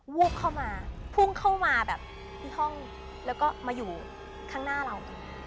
วูบเข้ามาพุ่งเข้ามาแบบที่ห้องแล้วก็มาอยู่ข้างหน้าเรา